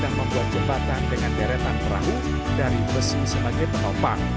dan membuat jembatan dengan deretan perahu dari besi sebagai penopang